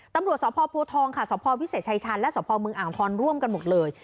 ตำรวจสพโพทองค่ะสพวิเศษชายชาญและสพเมืองอ่างพรร่วมกันหมดเลย